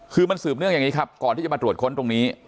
คือมันสืบเนื่องอย่างนี้ครับก่อนที่จะมาตรวจค้นตรงนี้